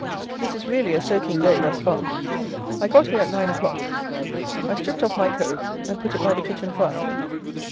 This is really a soaking day, thus far. I got here at nine o'clock. I stripped off my coat, and put it by the kitchen fire.